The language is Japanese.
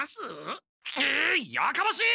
えいやかましい！